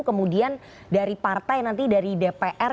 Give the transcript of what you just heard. kemudian dari partai nanti dari dpr